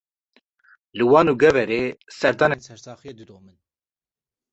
Li Wan û Geverê, serdanên sersaxiyê didomin